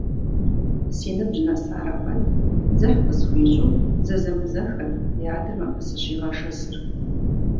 Си ныбжь нэсарэ пэт, дзыхь къысхуищӀу, зэзэмызэххэт ди адэм абы сыщигъэшэсыр.